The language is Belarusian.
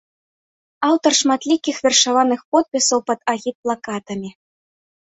Аўтар шматлікіх вершаваных подпісаў пад агітплакатамі.